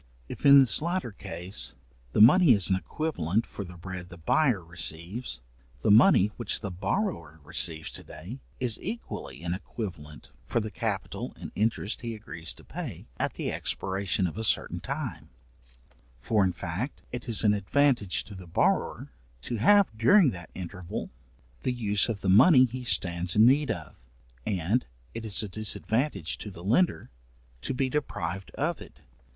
If in this latter case, the money is an equivalent for the bread the buyer receives, the money which the borrower receives to day, is equally an equivalent for the capital and interest he agrees to pay at the expiration of a certain time; for in fact, it is an advantage to the borrower, to have, during that interval, the use of the money he stands in need of, and it is a disadvantage to the lender to be deprived of it.